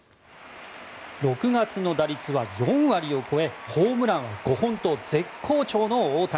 ６月の打率は４割を超えホームランは５本と絶好調の大谷。